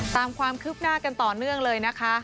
ตามความคืบหน้ากันต่อเนื่องเลยนะคะ